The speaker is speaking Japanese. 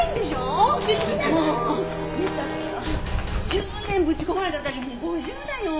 １０年ぶち込まれたら私もう５０だよ。